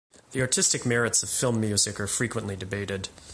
The artistic merits of film music are frequently debated.